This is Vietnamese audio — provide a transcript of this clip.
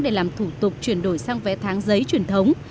để làm thủ tục chuyển đổi sang vé tháng giấy truyền thống